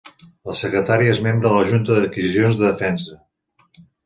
La secretària és membre de la Junta d'Adquisicions de Defensa.